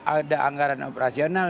ada anggaran operasional